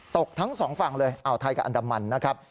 ทั้งสองฝั่งเลยอ่าวไทยกับอันดามันนะครับ